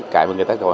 cái mà người ta gọi